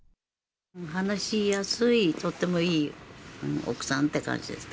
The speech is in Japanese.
話しやすい、とってもいい奥さんって感じでした。